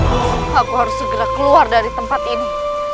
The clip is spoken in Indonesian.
aku harus segera keluar dari tempat ini